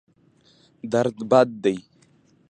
درد بد دی.